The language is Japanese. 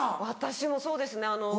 私もそうですね